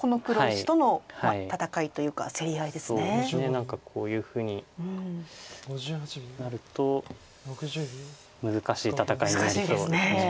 何かこういうふうになると難しい戦いになりそうです。